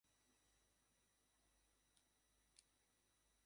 মহল বন্ধ করে দাও, এক বছর পর, ওখানে থাকা যাবে।